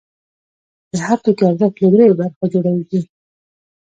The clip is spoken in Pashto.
د هر توکي ارزښت له درېیو برخو جوړېږي